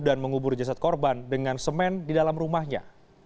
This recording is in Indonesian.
dan mengubur jasad korban dengan semen di dalam rumahnya